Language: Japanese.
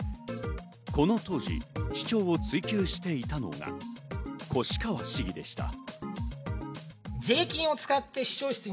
この当時、市長を追及していたのが、越川市議でした。